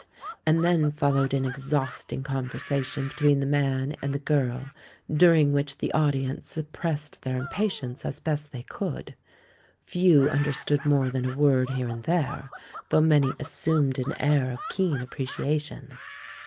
And then followed an exhausting conversation between the man and the girl, during which the audience suppressed their impatience as best they could; few under stood more than a word here and there, though many assumed an air of keen appreciation.